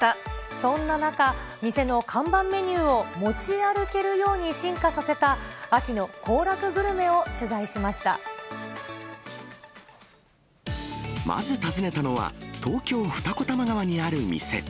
そんな中、店の看板メニューを持ち歩けるように進化させた秋の行楽グルメをまず訪ねたのは、東京・二子玉川にある店。